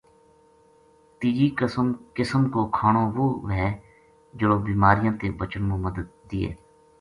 تیجی قسم کو کھانو وہ وھے جہڑو بیماریاں تے بچن ما مدد دئے۔